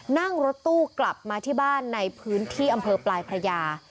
นั่งรถตู้กลับมาที่บ้านในพื้นที่อำเภอปลายพระยา